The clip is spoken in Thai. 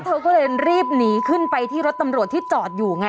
เธอก็เลยรีบหนีขึ้นไปที่รถตำรวจที่จอดอยู่ไง